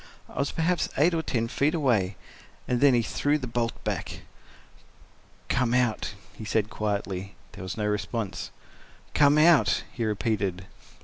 I was perhaps eight or ten feet away—and then he threw the bolt back. "Come out," he said quietly. There was no response. "Come—out," he repeated.